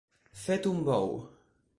Fet un bou.